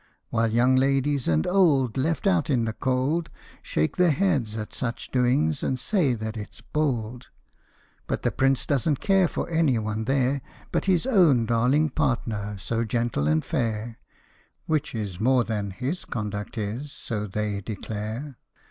While young ladies and old, " left out in the cold," Shake their heads at such doings, and say that it's "bold!' .1 CINDERELLA. But the Prince doesn't care for any one there But his own darling partner, so gentle and fair (Which is more than his conduct is so they declare).